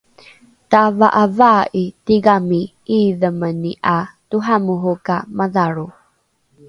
tava’avaa’i tigami ’iidhemeni ’a toramoro ka madhalro